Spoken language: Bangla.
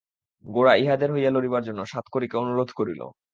গোরা ইহাদের হইয়া লড়িবার জন্য সাতকড়িকে অনুরোধ করিল।